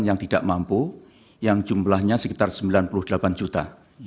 yang tidak mampu yang jumlahnya sekitar sembilan puluh delapan juta